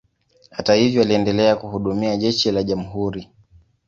Hata hivyo, aliendelea kuhudumia jeshi la jamhuri.